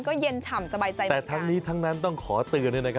ก็เย็นฉ่ำสบายใจเหมือนกันแต่ทั้งนี้ทั้งนั้นต้องขอตื่นด้วยนะครับ